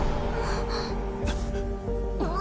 あっ。